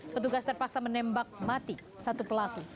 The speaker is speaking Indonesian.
petugas terpaksa menembak mati satu pelaku